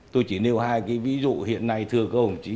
tôi chỉ nêu hai cái ví dụ hiện nay thưa các ông chí